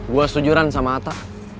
gue setuju ran sama ata